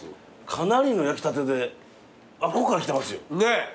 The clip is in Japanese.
かなりの焼きたてであっこから来てますよ。